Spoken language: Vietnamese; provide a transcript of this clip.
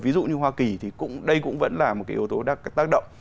ví dụ như hoa kỳ thì đây cũng vẫn là một cái yếu tố tác động